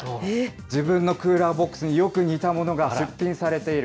自分のクーラーボックスによく似たものが出品されている。